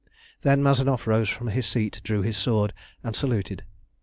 Then Mazanoff rose from his seat, drew his sword, and saluted.